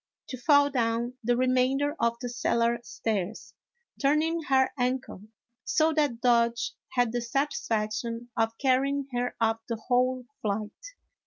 to fall down the remainder of the cellar stairs, turn ing her ankle, so that Dodge had the satisfaction of carrying her up the whole flight.